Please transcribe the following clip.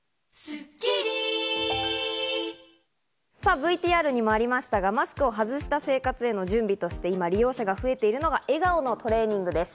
ＶＴＲにもありましたが、マスクを外した生活への準備として今、利用者が増えているのが笑顔のトレーニングです。